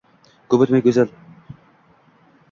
Ko'p o‘tmay go‘zal